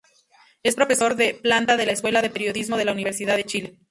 Es profesor de planta de la Escuela de Periodismo de la Universidad de Chile.